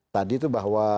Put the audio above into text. tadi itu bahwa